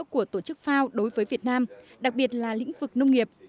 của tổ chức fao đối với việt nam đặc biệt là lĩnh vực nông nghiệp